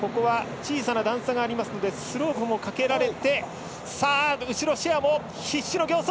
小さな段差がありますのでスロープもかけられてシェアも必死の形相！